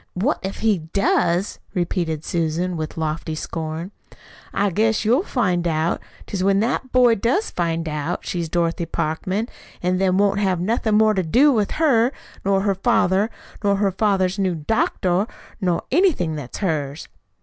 "'What if he does?'" repeated Susan, with lofty scorn. "I guess you'll find what 'tis when that boy does find out she's Dorothy Parkman, an' then won't have nothin' more to do with her, nor her father, nor her father's new doctor, nor anything that is hers."